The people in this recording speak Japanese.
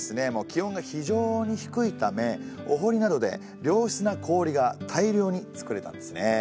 気温が非常に低いためお堀などで良質な氷が大量に作れたんですね。